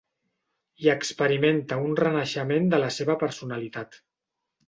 I experimenta un renaixement de la seva personalitat.